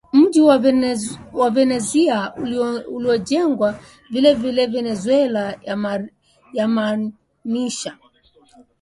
mji wa Venezia uliojengwa vilevile Venezuela yamaanisha